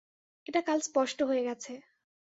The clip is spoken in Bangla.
এটা কাল স্পষ্ট হয়ে গেছে।